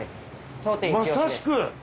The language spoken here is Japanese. まさしく。